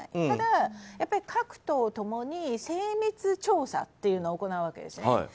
ただ、各党ともに精密調査というのを行うわけですね。